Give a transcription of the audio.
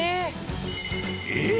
えっ？